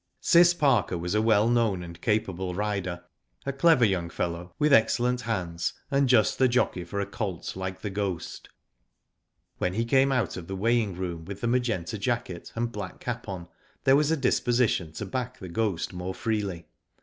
Cis Parker was a well known and capable rider, a clever young fellow, with excellent h^nds, and just the jockey for a colt like The Ghost. When he came out of the weighing. room with the Magenta jacket and black cap on, there was a disposition to back The Ghost more freely.